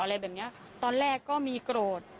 อะไรแบบนี้ตอนแรกก็มีโกรธ